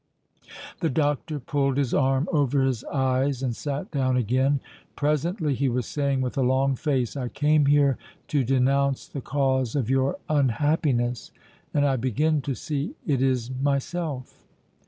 The doctor pulled his arm over his eyes and sat down again. Presently he was saying with a long face: "I came here to denounce the cause of your unhappiness, and I begin to see it is myself."